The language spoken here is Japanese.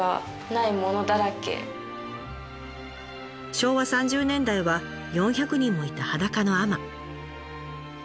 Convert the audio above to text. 昭和３０年代は４００人もいた裸の海女。